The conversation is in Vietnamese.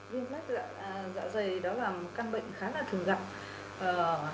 viêm mắt dạ dày đó là một căn bệnh khá là thường gặp